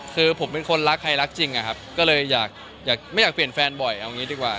คือผมเป็นคนรักใครรักจริงอะครับก็เลยอยากไม่อยากเปลี่ยนแฟนบ่อยเอางี้ดีกว่า